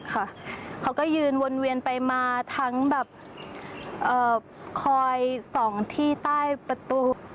หนูแค่ไม่ยอมเปิดค่ะเขาก็ยืนวนเวียนไปมาทั้งแบบเอ่อคอยสองที่ใต้ประตู